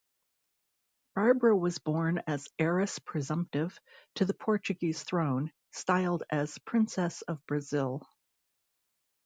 Barbara was born as heiress-presumptive to the Portuguese throne, styled as Princess of Brazil.